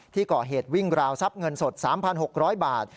ที่ก่อเหตุวิ่งราวทรัพย์เงินสด๓๖๐๐บาท